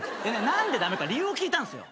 何で駄目か理由を聞いたんすよ。